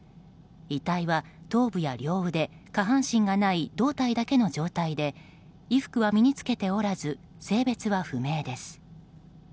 遺体は頭部や両腕、下半身がない胴体だけの状態で衣服は身に着けておらず性別は不明です。